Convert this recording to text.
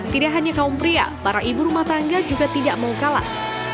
tidak hanya kaum pria para ibu rumah tangga juga tidak mau kalah